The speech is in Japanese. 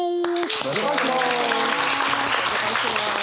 よろしくお願いします。